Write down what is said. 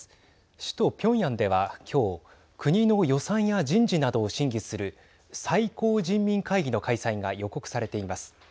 首都ピョンヤンでは今日国の予算や人事などを審議する最高人民会議の開催が予告されています。